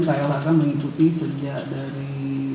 klhk mengikuti sejak dari